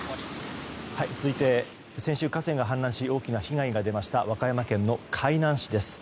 続いて先週、河川が氾濫し大きな被害が出ました和歌山県海南市です。